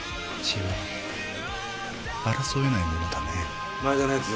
血は争えないものだね。